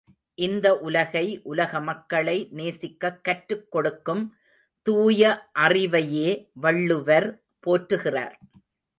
இந்த உலகை உலகமக்களை நேசிக்கக் கற்றுக் கொடுக்கும் தூய அறிவையே வள்ளுவர் போற்றுகிறார்.